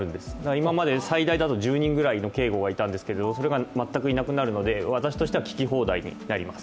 今まで最大だと１０人くらいの警護がいたんですけれども、それが全くいなくなるので、私としては聴き放題になります。